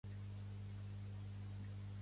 Pertany al moviment independentista l'Auxi?